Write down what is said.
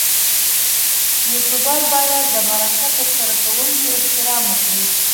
یوټوبر باید د مرکه ترسره کوونکي احترام وکړي.